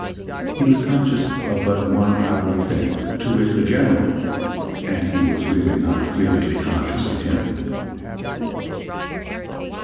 He was conscious of but one outward thing, to wit, the General, and he was really not vividly conscious of him.